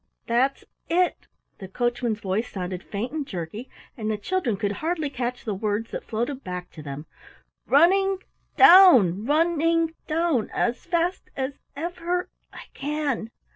"That's it," the coachman's voice sounded faint and jerky, and the children could hardly catch the words that floated back to them: "Running down run ing down! As fast as ev er I can.